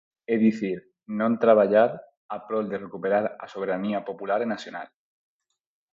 É dicir, non traballar a prol de recuperar a soberanía popular e nacional.